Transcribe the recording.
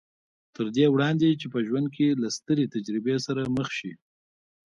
تر دې وړاندې چې په ژوند کې له سترې تجربې سره مخ شي